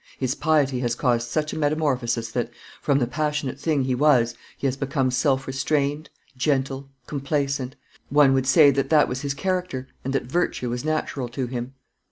"His piety has caused such a metamorphosis that, from the passionate thing he was, he has become self restrained, gentle, complaisant; one would say that that was his character, and that virtue was natural to him."